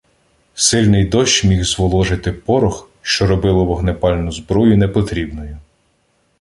Сильний дощ міг зволожити порох, що робило вогнепальну зброю непотрібною.